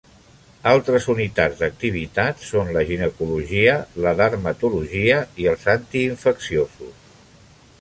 Altres unitats d'activitat són la ginecologia, la dermatologia i els antiinfecciosos.